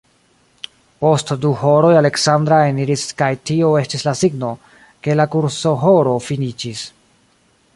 Post du horoj Aleksandra eniris kaj tio estis la signo, ke la kursohoro finiĝis.